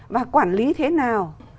và quản lý thế nào